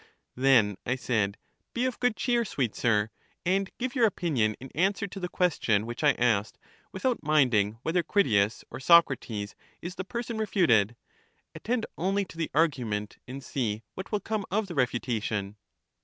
Then, I said, he of good eheer, sweet sir, and give your opinion in answer to the question which I asked, without minding whether Critias or Socrates is the person refuted ; attend only to the argument, and see what will come of the refutation.